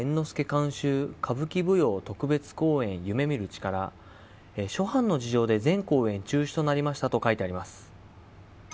監修歌舞伎舞踊特別公演、夢見る力諸般の事情で全公演中止になりました、と書いてあります。